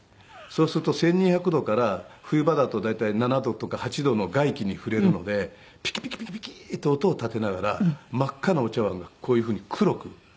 そうすると１２００度から冬場だと大体７度とか８度の外気に触れるのでピキピキピキピキと音を立てながら真っ赤なお茶わんがこういうふうに黒く。